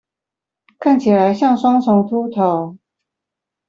看起來像雙重禿頭